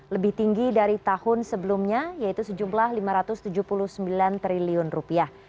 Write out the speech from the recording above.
lebih tinggi dari tahun sebelumnya yaitu sejumlah lima ratus tujuh puluh sembilan triliun rupiah